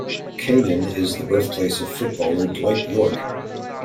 Canaan is the birthplace of footballer Dwight Yorke.